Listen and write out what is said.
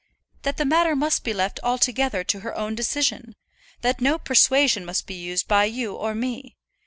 "That the matter must be left altogether to her own decision; that no persuasion must be used by you or me.